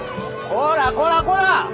こらこらこら！